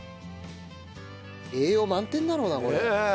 栄養満点だろうなこれ。